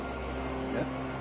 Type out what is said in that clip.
えっ？